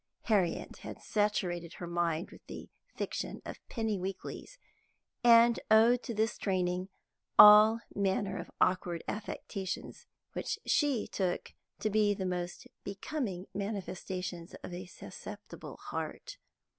Harriet had saturated her mind with the fiction of penny weeklies, and owed to this training all manner of awkward affectations which she took to be the most becoming manifestations of a susceptible heart.